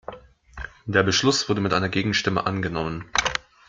Der Beschluss wurde mit einer Gegenstimme angenommen.